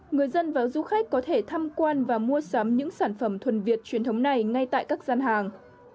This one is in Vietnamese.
người dân và du khách có thể tham quan và mua sắm những sản phẩm thuần việt truyền thống này ngay tại các gian hàng